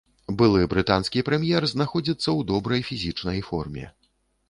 Былы брытанскі прэм'ер знаходзіцца ў добрай фізічнай форме.